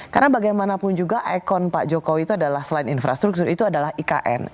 karena bagaimanapun juga ikon pak jokowi itu adalah selain infrastruktur itu adalah ikn